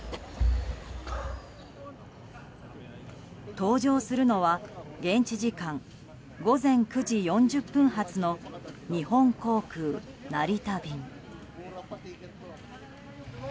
搭乗するのは現地時間午前９時４０分発の日本航空・成田便。